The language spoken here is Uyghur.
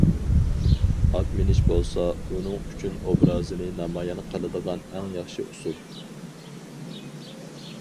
ئات مىنىش بولسا ئۇنىڭ ئۈچۈن ئوبرازىنى نامايان قىلىدىغان ئەڭ ياخشى ئۇسۇل.